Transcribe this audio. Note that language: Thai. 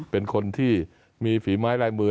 เป็นคนที่มีฝีไม้ลายมือ